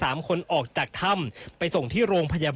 อันนี้คือเต็มร้อยเปอร์เซ็นต์แล้วนะครับ